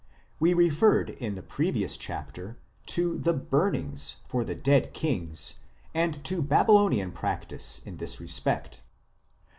We referred in the previous chapter to the " burnings" for the dead kings and to Babylonian practice in this respect (see pp.